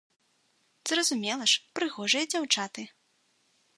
Зразумела ж, прыгожыя дзяўчаты.